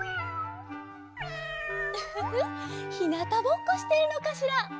ウフフひなたぼっこしてるのかしら？